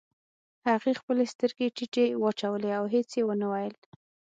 هغې خپلې سترګې ټيټې واچولې او هېڅ يې ونه ويل.